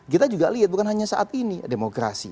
kita juga lihat bukan hanya saat ini demokrasi